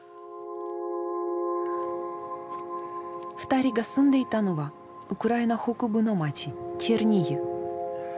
２人が住んでいたのはウクライナ北部の街チェルニヒウ。